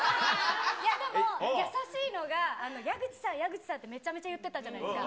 でも、優しいのが、矢口さん、矢口さんって、めちゃめちゃ言ってたじゃないですか。